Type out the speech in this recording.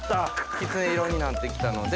きつね色になって来たので。